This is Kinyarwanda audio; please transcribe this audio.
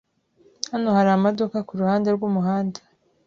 Hano hari amaduka kuruhande rwumuhanda.